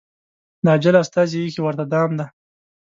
د اجل استازي ایښی ورته دام دی